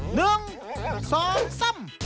หนึ่งสองสาม